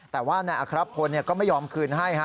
แต่ว่านายอัครพลก็ไม่ยอมคืนให้